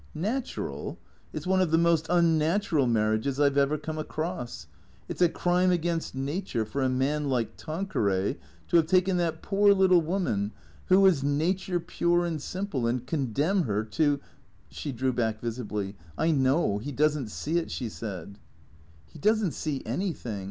" Natural ? It 's one of the most unnatural marriages I 've ever come across. It 's a crime against nature for a man like Tanqueray to have taken that poor little woman — who is na ture pure and simple — and condemn her to " She drew back visibly. " I know. He does n't see it," she said. " He does n't see anything.